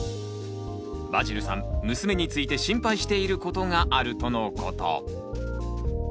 バジルさん娘について心配していることがあるとのこと。